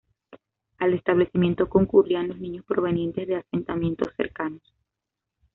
Al Establecimiento concurrían los niños provenientes de asentamientos cercanos.